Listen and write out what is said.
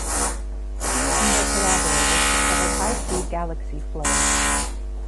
She and her collaborators discovered high-speed galaxy flows.